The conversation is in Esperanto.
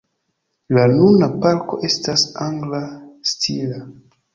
La nuna parko estas angla stila.